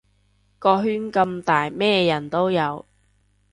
個圈咁大咩人都有